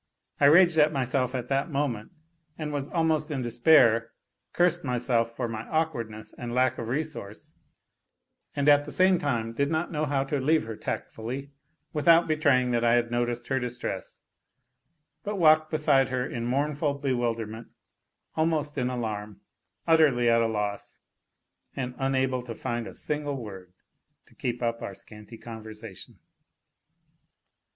I raged at myself at that moment and was almost in despair ; curst <l myself for my awkwardness and lack of resource, and at the same time did not know how to leave her tactfully, without betraying that I had noticed her distress, but walked beside her in mournful bewilderment, almost in alarm, utterly at a loss and unable to find a single word to keep up our scanty conversation.